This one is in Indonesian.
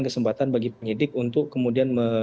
kesempatan bagi penyidik untuk kemudian